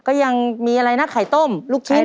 ก็ยังมีอะไรนะไข่ต้มลูกชิ้น